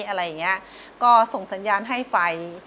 อะไรอย่างนี้ก็ส่งสัญญาณให้ไฟ